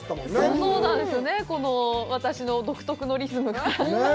そうなんですよね、この私の独特のリズムが。